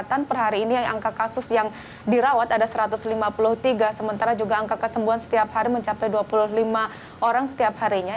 peningkatan per hari ini yang angka kasus yang dirawat ada satu ratus lima puluh tiga sementara juga angka kesembuhan setiap hari mencapai dua puluh lima orang setiap harinya